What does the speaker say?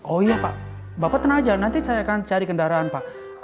oh iya pak bapak tenang aja nanti saya akan cari kendaraan pak